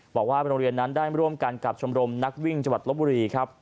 บอกว่าโรงเรียนนั้นได้ร่วมกันกับชมรมนักวิ่งจังหวัดลบบุรีครับ